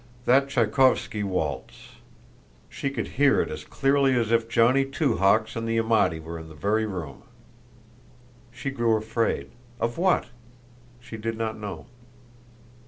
That Tschaikowsky waltz! She could hear it as clearly as if Johnny Two Hawks and the Amati were in the very room. She grew afraid. Of what? She did not know.